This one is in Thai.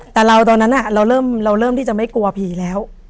แต่เราตอนนั้นเราเริ่มที่จะไม่กลัวผีแล้ว